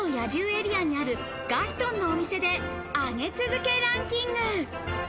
エリアにあるガストンのお店で、上げ続けランキング。